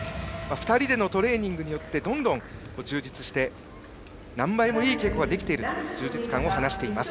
２人でのトレーニングによってどんどん充実して何倍もいい稽古ができていると充実感を話しています。